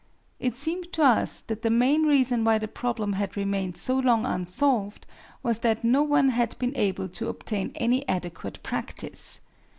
It seemed to us that the main reason why the problem had remained so long unsolved was that no one had been able to obtain any adequate practice.